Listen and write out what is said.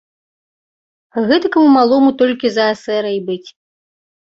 Гэтакаму малому толькі за эсэра й быць.